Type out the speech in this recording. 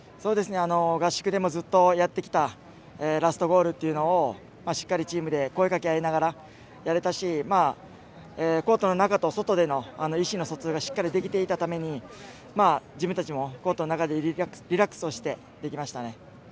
合宿でもずっとやってきたラストゴールというのをしっかりとチームで声をかけ合いながらやれたしコートの中と外での意思の疎通がしっかりできていたために自分たちもコートの中でリラックスをしてできましたね。